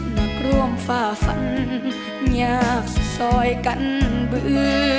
นักร่วมฝ่าฝันอยากสวยกันเบอร์